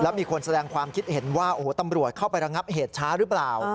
มีคนแสดงความคิดเห็นว่าโอ้โหตำรวจเข้าไประงับเหตุช้าหรือเปล่า